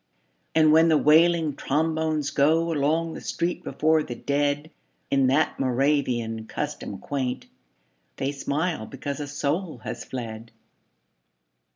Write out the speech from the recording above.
And when the wailing trombones go Along the street before the dead In that Moravian custom quaint, They smile because a soul has fled.